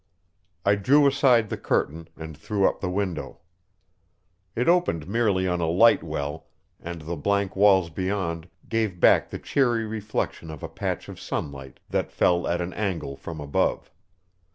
I drew aside the curtain, and threw up the window. It opened merely on a light well, and the blank walls beyond gave back the cheery reflection of a patch of sunlight that fell at an angle from above.